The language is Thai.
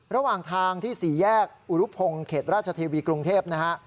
ระหว่างทางที่สี่แยกอุรุพงศ์เขตราชเทวีกรุงเทพนะฮะ